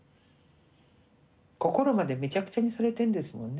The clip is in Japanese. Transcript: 心までめちゃくちゃにされてんですもんね